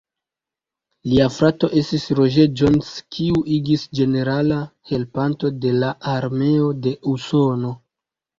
Lia frato estis Roger Jones, kiu igis ĝenerala helpanto de la armeo de Usono.